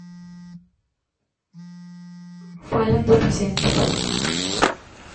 Falan do presente.